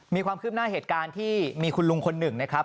มีความคืบหน้าเหตุการณ์ที่มีคุณลุงคนหนึ่งนะครับ